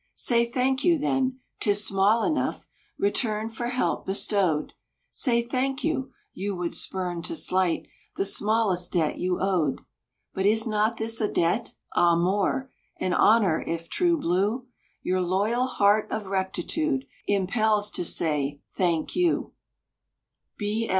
Say "Thank you!" then. 'Tis small enough Return for help bestowed Say "Thank you!" You would spurn to slight The smallest debt you owed; But is not this a debt? Ah, more! And honor, if true blue Your loyal heart of rectitude, Impels to say "Thank you!"